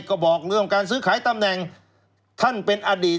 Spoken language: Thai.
ก็บอกเรื่องการซื้อขายตำแหน่งท่านเป็นอดีต